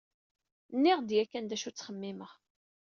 Nniɣ-d yakan d acu ttxemmimeɣ.